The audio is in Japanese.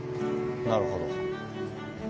なるほど。